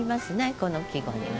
この季語にはね。